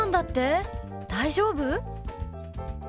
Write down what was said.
大丈夫？